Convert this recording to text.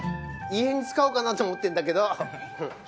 遺影に使おうかなって思ってるんだけど。